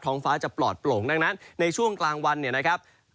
ฟ้าจะปลอดโปร่งดังนั้นในช่วงกลางวันเนี่ยนะครับ